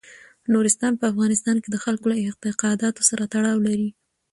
نورستان په افغانستان کې د خلکو له اعتقاداتو سره تړاو لري.